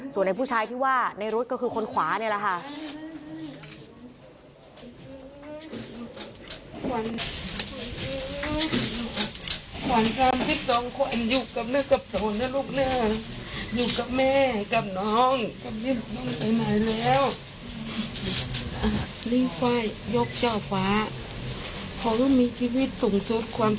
ส่วนไอ้ผู้ชายที่ว่าในรถก็คือคนขวานี่แหละค่ะ